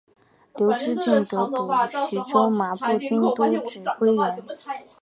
刘知俊得补徐州马步军都指挥使。